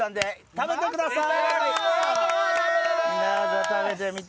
食べてください。